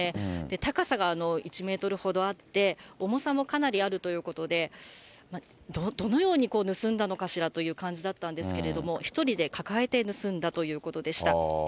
高さが１メートルほどあって、重さもかなりあるということで、どのように盗んだのかしらという感じだったんですけれども、１人で抱えて盗んだということでした。